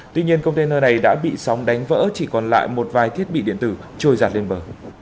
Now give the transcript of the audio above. tuy nhiên container này đã bị sóng đánh vỡ chỉ còn lại một vài thiết bị điện tử trôi giạt lên bờ